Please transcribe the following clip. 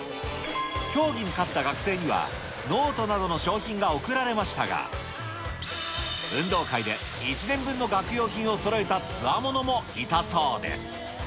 競技に勝った学生にはノートなどの賞品が贈られましたが、運動会で１年分の学用品をそろえたつわものもいたそうです。